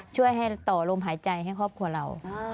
ช่วยให้ต่อลมหายใจให้ครอบครัวเรา